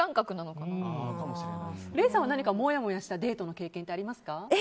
礼さんは何かもやもやしたデートの経験ありますか？